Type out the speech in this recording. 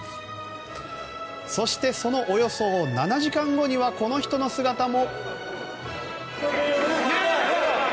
そして、そのおよそ７時間後にはこの人の姿も。